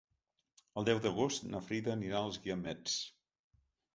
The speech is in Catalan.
El deu d'agost na Frida anirà als Guiamets.